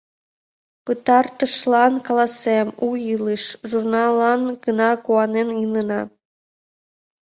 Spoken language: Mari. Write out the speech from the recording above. Пытартышлан каласем: «У илыш» журналлан гына куанен илена.